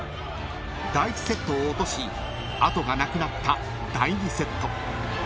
［第１セットを落とし後がなくなった第２セット］